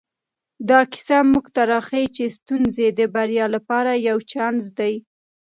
دا کیسه موږ ته راښيي چې ستونزې د بریا لپاره یو چانس دی.